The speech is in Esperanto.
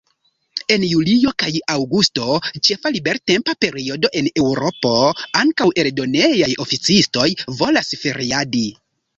En julio kaj aŭgusto, ĉefa libertempa periodo en Eŭropo, ankaŭ eldonejaj oficistoj volas feriadi.